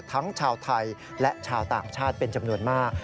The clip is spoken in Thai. ทั้งชาวไทยและชาวต่างชาติเป็นจำนวนมาก